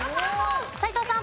斎藤さん。